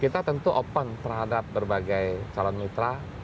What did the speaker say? kita tentu open terhadap berbagai calon mitra